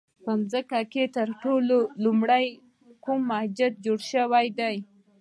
په ځمکه کې تر ټولو لومړی کوم جومات جوړ شوی دی؟